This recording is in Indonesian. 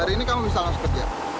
hari ini kamu bisa langsung kerja